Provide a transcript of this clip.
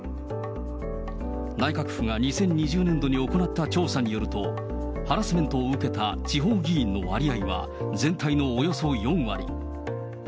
内閣府が２０２０年度に行った調査によると、ハラスメントを受けた地方議員の割合は、全体のおよそ４割。